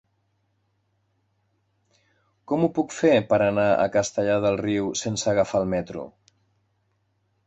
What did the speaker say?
Com ho puc fer per anar a Castellar del Riu sense agafar el metro?